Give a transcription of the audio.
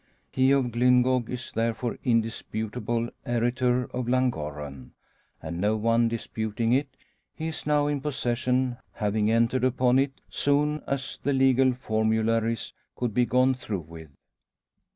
He of Glyngog is therefore indisputable heritor of Llangorren; and no one disputing it, he is now in possession, having entered upon it soon as the legal formularies could be gone through with.